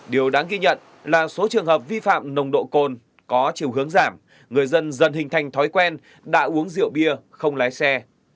điều đáng ghi nhận là số trường hợp vi phạm nồng độ cồn có chiều hướng giảm người dân dần hình thành thói quen đã uống rượu bia không lái xe